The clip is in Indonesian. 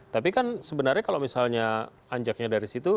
tapi kan sebenarnya kalau misalnya anjaknya dari situ